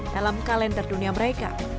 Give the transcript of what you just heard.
dalam kalender dunia mereka